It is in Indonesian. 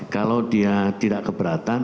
kalau dia tidak keberatan